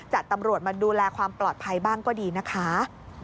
ตำรวจมาดูแลความปลอดภัยบ้างก็ดีนะคะ